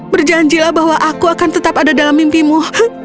berjanjilah bahwa aku akan tetap ada dalam mimpimu